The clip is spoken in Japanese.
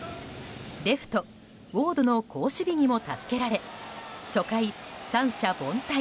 レフト、ウォードの好守備にも助けられ初回、三者凡退。